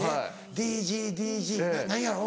「ＤＧＤＧ」何やろ？